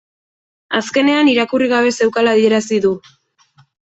Azkenean irakurri gabe zeukala adierazi du